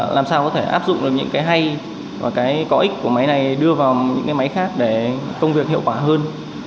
làm sao có thể áp dụng được những cái hay và cái có ích của máy này đưa vào những cái máy khác để công việc hiệu quả hơn